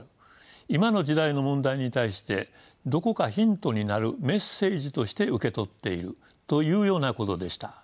「今の時代の問題に対してどこかヒントになるメッセージとして受け取っている」というようなことでした。